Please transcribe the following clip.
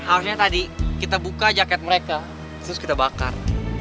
akhirnya tadi kita buka jaket mereka terus kita bakar